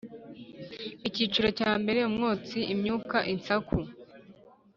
Icyiciro cyambere Umwotsi imyuka insaku